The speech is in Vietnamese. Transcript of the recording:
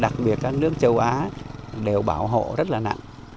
đặc biệt các nước châu á đều bảo hộ rất là nặng